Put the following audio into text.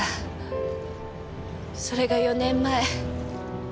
それが４年前。